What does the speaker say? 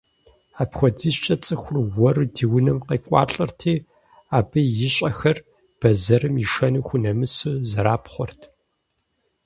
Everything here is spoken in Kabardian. АпхуэдизкӀэ цӀыхур уэру ди унэ къекӀуалӀэрти, абы ищӀахэр, бэзэрым ишэну хунэмысу, зэрапхъуэрт.